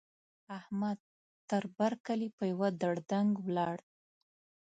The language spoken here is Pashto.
احمد؛ تر بر کلي په يوه دړدنګ ولاړ.